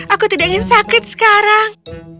aku tidak ingin sakit sekarang